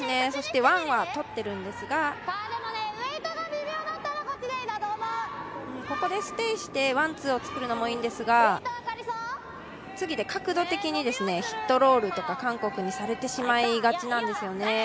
ワンは取ってるんですが、ここでステイしてワン、ツーを作るのもいいんですが、次で角度的にヒット、ロールとか、韓国にされてしまいがちなんですよね。